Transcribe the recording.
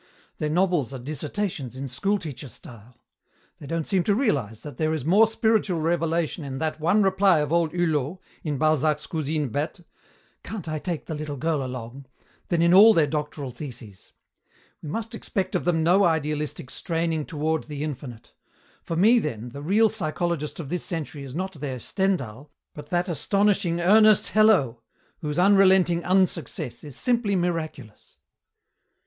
Their novels are dissertations in school teacher style. They don't seem to realize that there is more spiritual revelation in that one reply of old Hulot, in Balzac's Cousine Bette, 'Can't I take the little girl along?' than in all their doctoral theses. We must expect of them no idealistic straining toward the infinite. For me, then, the real psychologist of this century is not their Stendhal but that astonishing Ernest Hello, whose unrelenting unsuccess is simply miraculous!"